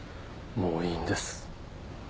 もういいんです。